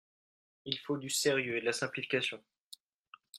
Il faut du sérieux et de la simplification.